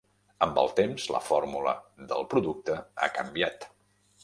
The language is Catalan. Amb el temps, la fórmula del producte ha canviat.